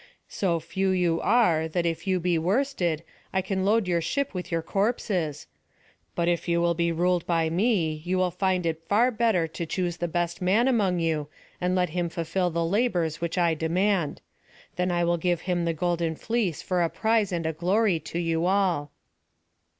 So few you are, that if you be worsted, I can load your ship with your corpses. But if you will be ruled by me, you will find it better far to choose the best man among you, and let him fulfil the labours which I demand. Then I will give him the golden fleece for a prize and a glory to you all."